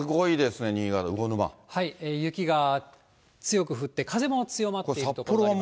雪が強く降って、風も強まっている所があります。